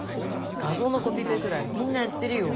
画像のコピペぐらいみんなやってるよ。